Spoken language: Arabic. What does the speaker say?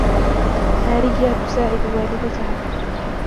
ماريا تساعد والدتها.